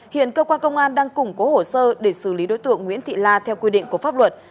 hiện cơ quan công an đang củng cố hồ sơ để xử lý đối tượng nguyễn thị la theo quy định của pháp luật